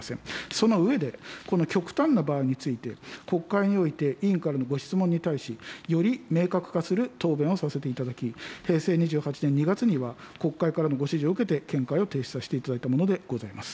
その上で、この極端な場合について、国会において委員からのご質問に対し、より明確化する答弁をさせていただき、平成２８年２月には、国会からのご指示を受けて、見解を提出させていただいたものでございます。